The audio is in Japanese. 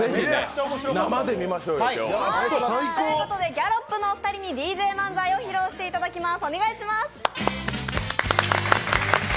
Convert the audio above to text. ギャロップのお二人にＤＪ漫才を披露していただきます。